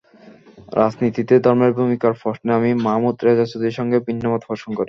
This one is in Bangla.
রাজনীতিতে ধর্মের ভূমিকার প্রশ্নে আমি মাহমুদ রেজা চৌধুরীর সঙ্গে ভিন্নমত পোষণ করি।